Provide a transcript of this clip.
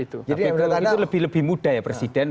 tapi kalau itu lebih mudah ya presiden